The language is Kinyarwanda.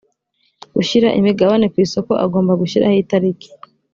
ushyira imigabane ku isoko agomba gushyiraho itariki